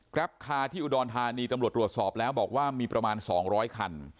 คาร์ที่อุดรธานีตำรวจตรวจสอบแล้วบอกว่ามีประมาณ๒๐๐คัน